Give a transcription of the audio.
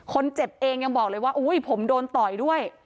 คนเจ็บเองยังบอกเลยว่าอุ้ยผมโดนต่อยด้วย